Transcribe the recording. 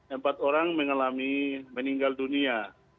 empat orang mengalami meninggal dunia